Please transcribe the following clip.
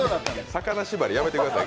魚しばりやめてください